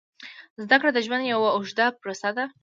زده کړه د ژوند یوه اوږده پروسه ده.